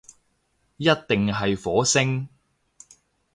一定係火星